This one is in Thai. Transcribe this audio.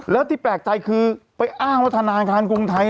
แล้วที่แปลกใจคือไปอ้างว่าธนาคารกรุงไทย